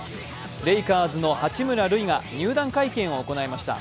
レイカーズの八村塁が入団会見を行いました。